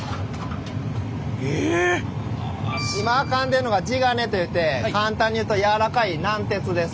今あかんでるのが地金といって簡単に言うと軟らかい軟鉄です。